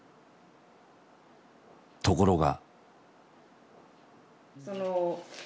ところが。